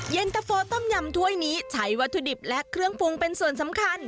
เย็นตะโฟต้มยำถ้วยนี้ใช้วัตถุดิบและเครื่องปรุงเป็นส่วนสำคัญ